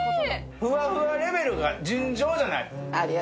ふわふわレベルが尋常じゃない。